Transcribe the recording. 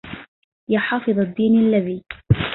يا حافظ الدين الذي